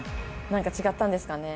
なんか違ったんですかね？